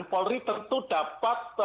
polri tentu dapat